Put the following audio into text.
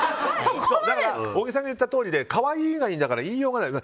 小木さんの言ったとおりで可愛い以外の言いようがない。